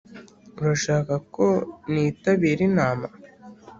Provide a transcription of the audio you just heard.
urashaka ko ntitabira inama?